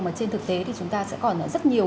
mà trên thực tế thì chúng ta sẽ còn rất nhiều